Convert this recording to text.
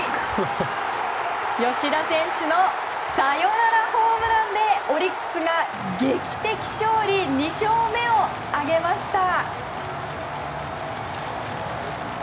吉田選手のサヨナラホームランでオリックスが劇的勝利２勝目を挙げました。